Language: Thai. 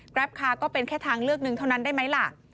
คาร์ก็เป็นแค่ทางเลือกหนึ่งเท่านั้นได้ไหมล่ะ